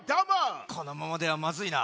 このままではまずいな。